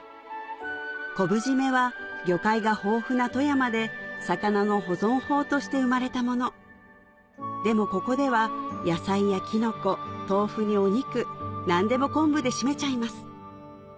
昆布締めは魚介が豊富な富山で魚の保存法として生まれたものでもここでは野菜やキノコ豆腐にお肉何でも昆布で締めちゃいます